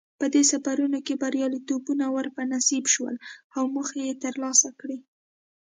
په دې سفرونو کې بریالیتوبونه ور په نصیب شول او موخې یې ترلاسه کړې.